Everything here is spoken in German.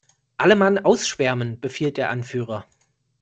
"Alle Mann ausschwärmen!", befiehlt der Anführer.